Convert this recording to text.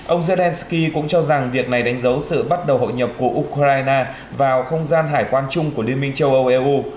ông zelensky cũng cho rằng việc này đánh dấu sự bắt đầu hội nhập của ukraine vào không gian hải quan chung của liên minh châu âu eu